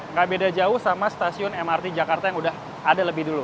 nggak beda jauh sama stasiun mrt jakarta yang udah ada lebih dulu